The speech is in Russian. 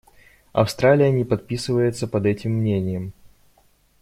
Австралия не подписывается под этим мнением.